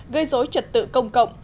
gây dối trật tự công cộng